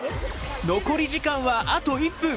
残り時間はあと１分。